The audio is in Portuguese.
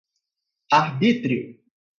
arbítrio